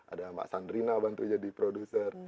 ada mbak sandrina bantu jadi produser